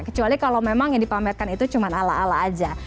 kecuali kalau memang yang dipamerkan itu cuma ala ala aja